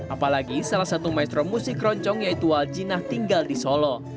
apalagi salah satu maestro musik keroncong yaitu waljina tinggal di solo